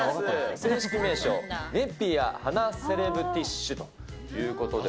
正式名称、ネピア鼻セレブティシュということです。